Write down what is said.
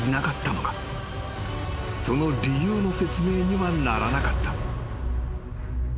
［その理由の説明にはならなかった］